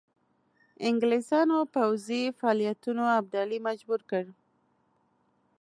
انګلیسیانو پوځي فعالیتونو ابدالي مجبور کړ.